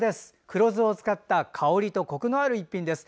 黒酢を使った香りとこくのある一品です。